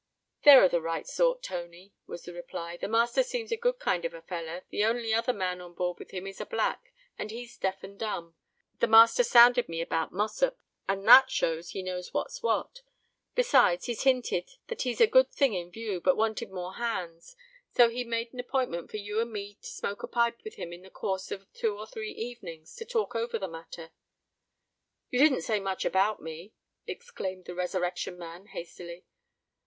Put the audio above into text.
"They're of the right sort, Tony," was the reply. "The master seems a good kind of a feller: the only other man on board with him is a Black; and he's deaf and dumb. The master sounded me about Mossop; and that shows that he knows what's what. Besides, he hinted that he'd a good thing in view, but wanted more hands, and so he made an appointment for you and me to smoke a pipe with him in the course of two or three evenings, to talk over the matter." "You didn't say much about me?" exclaimed the Resurrection Man, hastily.